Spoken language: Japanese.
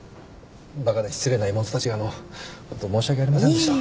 バカで失礼な妹たちがホントに申し訳ありませんでした。